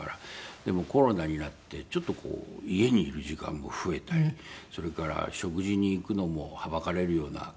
でもコロナになってちょっとこう家にいる時間も増えたりそれから食事に行くのもはばかられるような事でしたから。